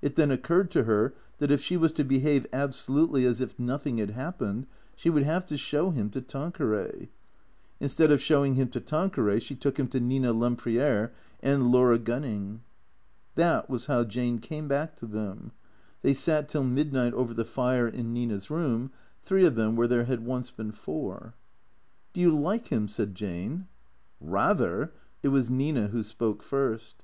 It then occurred to her that if she was to behave absolutely as if nothing had happened she would have to show him to Tanqueray. Instead of showing him to Tanqueray she took him to Nina Lempriere and Laura Gun ning. Tliat was how Jane came back to them. They sat till mid THECEEATOES 113 night over the fire in Nina's room, three of them where there had once been four. "Do you like him?" said Jane. " Bather !" It was Nina who spoke first.